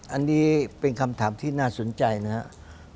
อันนี้เป็นคำถามที่น่าสนใจนะครับ